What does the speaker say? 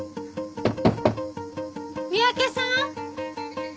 三宅さん！